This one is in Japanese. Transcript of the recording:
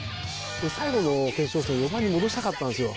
最後の決勝戦４番に戻したかったんですよ。